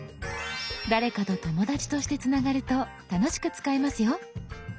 誰かと「友だち」としてつながると楽しく使えますよ。